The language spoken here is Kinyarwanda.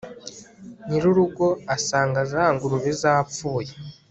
nyiri urugo asanga za ngurube zapfuye